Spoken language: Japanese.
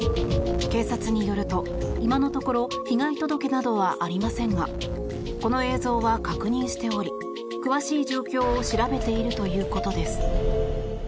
警察によると今のところ被害届などはありませんがこの映像は確認しており詳しい状況を調べているということです。